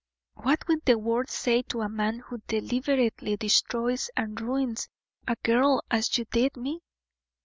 "What will the world say to a man who deliberately destroys and ruins a girl as you did me?"